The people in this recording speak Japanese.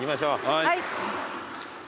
はい。